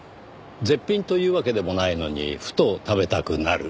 絶品というわけでもないのにふと食べたくなる。